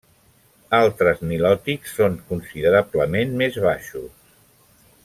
Altres nilòtics són considerablement més baixos.